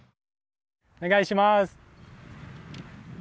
お願いします。